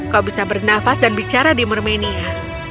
kau bisa bernafas dan bicara di mermenia